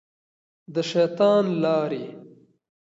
د شیطان لارې.